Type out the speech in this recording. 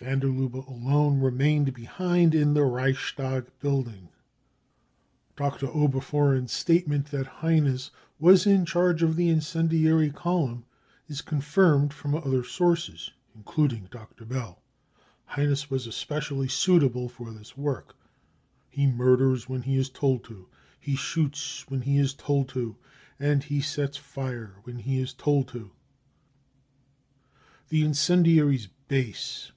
Van der Lubbe alone remained behind in the Reichstag building. 5 ' Dr. Oberfohren's statement that Heines was in charge of the incendiary column, is confirmed from other sources, including Dr, Bell. Heines was specially suitable for this 4 4 work 55 : he murders when he is told to, he shoots when he is told to, and he sets fire when he is told to. » The Incendiaries' Base.